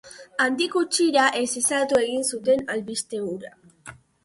Handik gutxira ezeztatu egin zuten albiste hura.